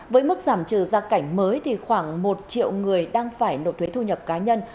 với mức giảm trừ ra cảnh mới khoảng một triệu người đang phải nộp thuế thu nhập cá nhân